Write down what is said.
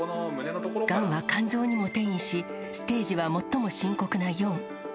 がんは肝臓にも転移し、ステージは最も深刻な４。